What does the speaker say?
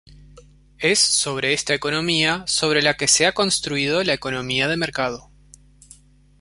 Es sobre esta economía sobre la que se ha construido la economía de mercado.